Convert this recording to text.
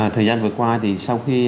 thời gian vừa qua thì sau khi